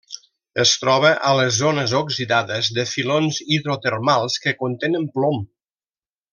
Es troba a les zones oxidades de filons hidrotermals que contenen plom.